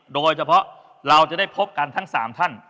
โดยเฉพาะเราจะได้พบกันทั้ง๓ท่าน